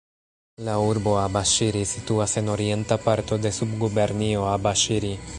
La urbo Abaŝiri situas en orienta parto de Subgubernio Abaŝiri.